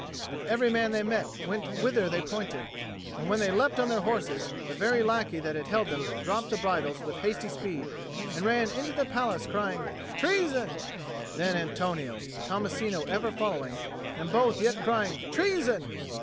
And every man they met went whither they pointed; and when they leapt on their horses, the very lackey that had held them dropped the bridles with hasty speed and ran into the palace, crying "Treason!" Then Antonio, Tommasino ever following, and both yet crying "Treason!"